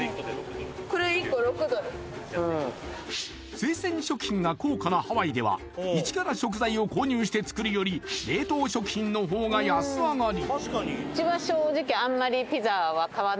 生鮮食品が高価なハワイでは一から食材を購入して作るより冷凍食品の方が安上がり